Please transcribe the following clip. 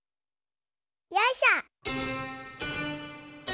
よいしょ。